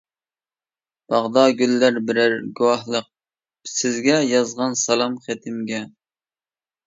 باغدا گۈللەر بىرەر گۇۋاھلىق، سىزگە يازغان سالام خېتىمگە.